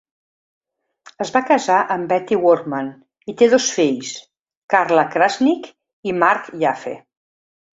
Es va casar amb Betty Workman i té dos fills: Carla Krasnick i Mark Yaffe.